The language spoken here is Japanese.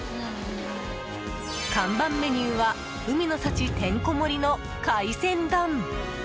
看板メニューは海の幸てんこ盛りの海鮮丼。